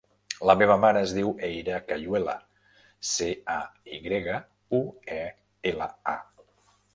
La meva mare es diu Eire Cayuela: ce, a, i grega, u, e, ela, a.